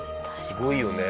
すごいよね。